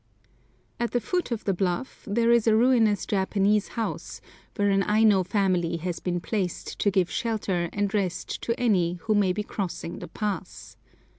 At the foot of the bluff there is a ruinous Japanese house, where an Aino family has been placed to give shelter and rest to any who may be crossing the pass.